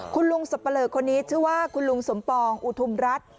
คุณลุงสับปะเลอคนนี้ชื่อว่าคุณลุงสมปองอุทุมรัฐ